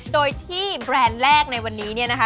โดยที่แบรนด์แรกในวันนี้เนี่ยนะคะ